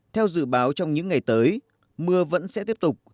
theo dự báo trong những ngày tới mưa vẫn sẽ tiếp tục